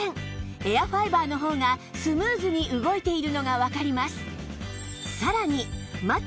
エアファイバーの方がスムーズに動いているのがわかります